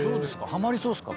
ハマりそうですか？